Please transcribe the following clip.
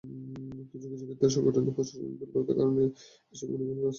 কিছু কিছু ক্ষেত্রে সংগঠনটি প্রশাসনিক দুর্বলতার কারণে এসব অনিয়মের বিরুদ্ধে ব্যবস্থা নিতে পারেনি।